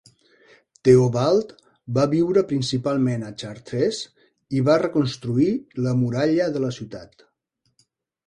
Teobald va viure principalment a Chartres i va reconstruir la muralla de la ciutat.